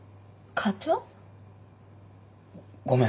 ごめん。